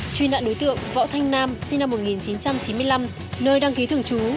truy nạn đối tượng võ thanh nam sinh năm một nghìn chín trăm chín mươi năm nơi đăng ký thường trú